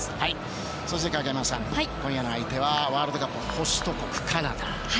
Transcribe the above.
影山さん、今夜の相手はワールドカップホスト国のカナダ。